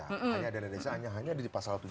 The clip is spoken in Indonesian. hanya dana desa hanya di pasal tujuh puluh dua